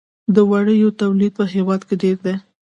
د وړیو تولید په هیواد کې ډیر دی